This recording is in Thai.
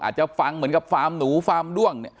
อาจจะฟังเหมือนกับฟาร์มหนูฟาร์มด้วงเนี่ย